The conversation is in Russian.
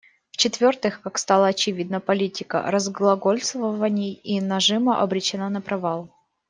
В-четвертых, как стало очевидно, политика разглагольствований и нажима обречена на провал.